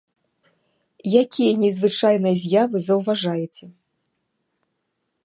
Якія незвычайныя з'явы заўважаеце?